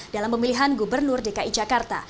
dalam pemilihan gubernur dki jakarta